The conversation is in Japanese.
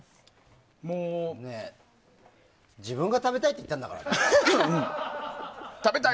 自分が食べたいって言ったんだから。